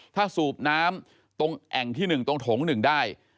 ถ้าสูบน้ำตรงแอ่งที่๑ตรงโถง๑ได้